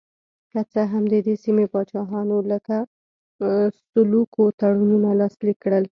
که څه هم د دې سیمې پاچاهانو لکه سلوکو تړونونه لاسلیک کړل.